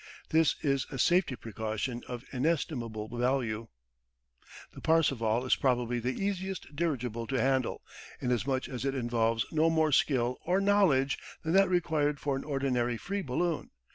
This is a safety precaution of inestimable value. The Parseval is probably the easiest dirigible to handle, inasmuch as it involves no more skill or knowledge than that required for an ordinary free balloon.